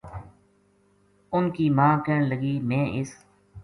اُنھ کی ماں کہن لگی ’ میں اس